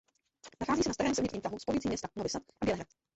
Nachází se na starém silničním tahu spojujícím města Novi Sad a Bělehrad.